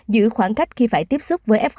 giữ khoảng cách khi phải tiếp xúc với f